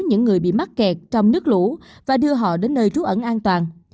những người bị mắc kẹt trong nước lũ và đưa họ đến nơi trú ẩn an toàn